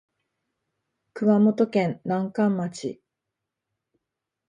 熊本県南関町